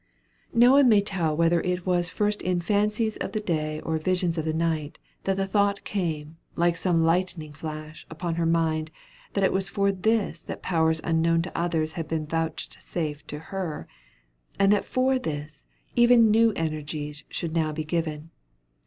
None now may tell whether it was first in fancies of the day or visions of the night, that the thought came, like some lightning flash, upon her mind, that it was for this that powers unknown to others had been vouchsafed to her; and that for this, even new energies should now be given.